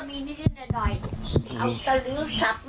อันนี้ก็มีนิดนึงหน่อย